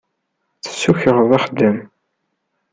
Tessukreḍ axeddam.